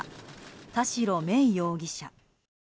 田代芽衣容疑者。